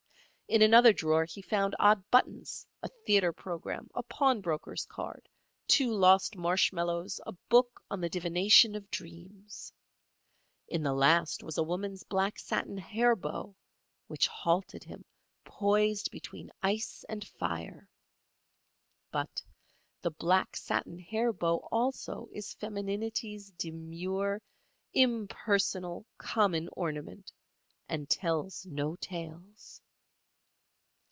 In another drawer he found odd buttons, a theatre programme, a pawnbroker's card, two lost marshmallows, a book on the divination of dreams. In the last was a woman's black satin hair bow, which halted him, poised between ice and fire. But the black satin hair bow also is femininity's demure, impersonal, common ornament, and tells no tales.